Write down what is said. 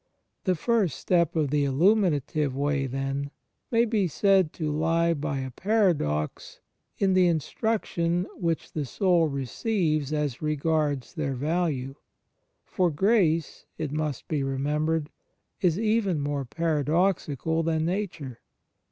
The first step of the Illuminative Way, then, may be said to lie, by a paradox, in the instruction which the soul receives as regards their value. (For Grace, it must be remembered, is even more paradoxical than Nature.)